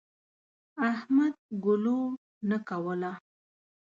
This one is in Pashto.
احمد ګلو نه کوله.